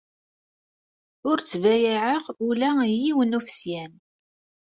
Ur ttbayaɛeɣ ula i yiwen n ufesyan.